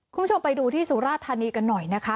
คุณผู้ชมไปดูที่สุราธานีกันหน่อยนะคะ